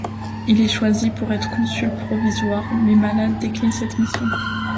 Il est choisi pour être consul provisoire mais malade, décline cette mission.